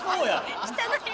「汚い」